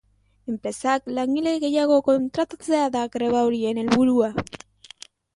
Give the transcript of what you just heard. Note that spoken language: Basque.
Enpresak langile gehiago kontratatzea da greba horien helburua.